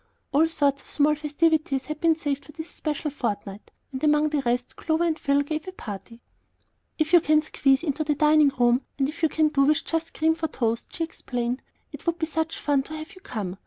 All sorts of small festivities had been saved for this special fortnight, and among the rest, Clover and Phil gave a party. "If you can squeeze into the dining room, and if you can do with just cream toast for tea," she explained, "it would be such fun to have you come.